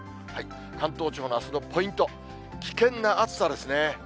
関東地方のあすのポイント、危険な暑さですね。